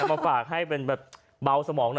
เอามาฝากให้เป็นแบบเบาสมองหน่อย